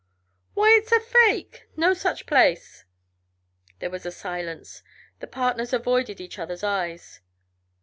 "Why, it's a fake no such place." There was a silence; the partners avoided each other's eyes.